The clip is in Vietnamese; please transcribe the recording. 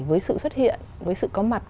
với sự xuất hiện với sự có mặt